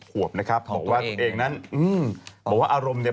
ผวบนะครับของตัวเองนะครับบอกว่าตัวเองนั้นอืมบอกว่าอารมณ์จะ